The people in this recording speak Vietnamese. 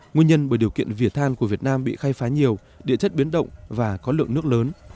nguyên nhân bởi điều kiện vỉa than của việt nam bị khai phá nhiều địa chất biến động và có lượng nước lớn